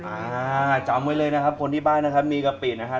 อ่าจำไว้เลยนะครับคนที่บ้านนะครับมีกะปินะครับ